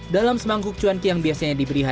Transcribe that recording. dalam semangkuk cuanki yang biasanya diberikan